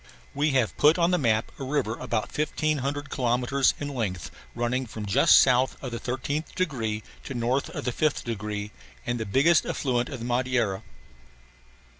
We have put on the map a river about 1500 kilometres in length running from just south of the 13th degree to north of the 5th degree and the biggest affluent of the Madeira.